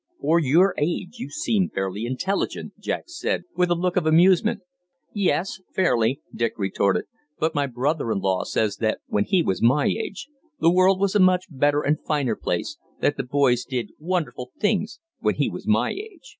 "For your age you seem fairly intelligent," Jack said, with a look of amusement. "Yes, fairly," Dick retorted. "But my brother in law says that 'when he was my age' the world was a much better and finer place, that the boys did wonderful things 'when he was my age.'